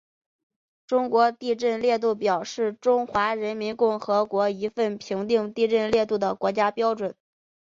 中国地震烈度表是中华人民共和国一份评定地震烈度的国家标准。